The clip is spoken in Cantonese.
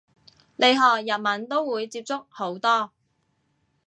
你學日文都會接觸好多